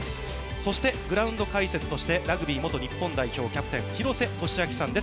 そして、グラウンド解説としてラグビー元日本代表キャプテン、廣瀬俊朗さんです。